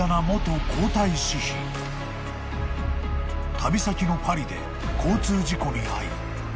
［旅先のパリで交通事故に遭い帰らぬ人に］